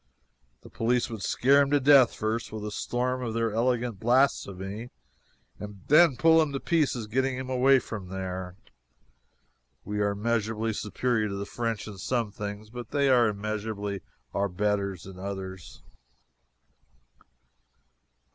The police would scare him to death first with a storm of their elegant blasphemy, and then pull him to pieces getting him away from there. We are measurably superior to the French in some things, but they are immeasurably our betters in others.